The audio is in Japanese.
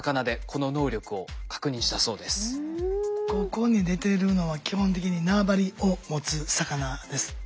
ここに出てるのは基本的に縄張りを持つ魚です。